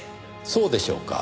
そうでしょうか？